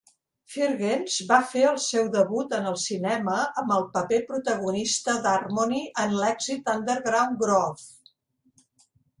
Firgens va fer el seu debut en el cinema amb el paper protagonista de Harmony en l'èxit underground "Groove".